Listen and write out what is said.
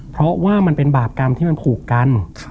เพราะว่ามันเป็นบาปกรรมที่มันผูกกัน